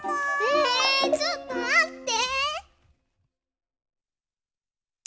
えちょっとまって！